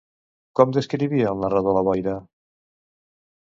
Com descrivia el narrador la boira?